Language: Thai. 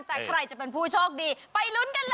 แต่ใครจะเป็นผู้โชคดีไปลุ้นกันเลย